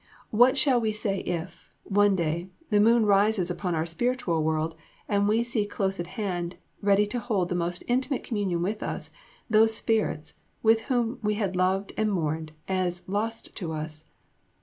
What shall we say if, one day, the moon rises upon our spiritual world, and we see close at hand, ready to hold the most intimate communion with us, those spirits, whom we had loved and mourned as lost to us?